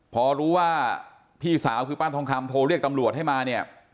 พอรู้ว่าพี่สาวคือป้าทองคำโทรเรียกตำรวจให้มาเนี่ย